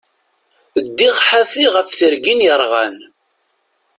Ddiɣ ḥafi ɣef tergin yerɣan.